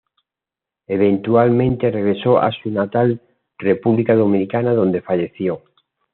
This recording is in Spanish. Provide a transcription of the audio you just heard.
Eventualmente regresó a su natal República Dominicana, donde falleció.